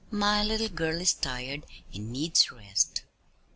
My little girl is tired and needs rest."